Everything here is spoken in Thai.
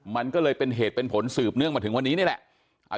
มันก็เลยเป็นเหตุเป็นผลสืบเนื่องมาถึงวันนี้นี่แหละ